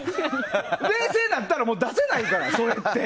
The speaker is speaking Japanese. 冷静になったら出せないから。